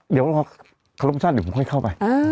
เดี๋ยวเราคลมชาติเดี๋ยวผมค่อยเข้าไป